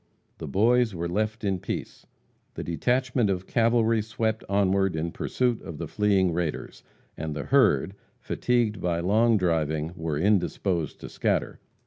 The Boys were left in peace. The detachment of cavalry swept onward in pursuit of the fleeing raiders, and the herd, fatigued by long driving, were indisposed to scatter.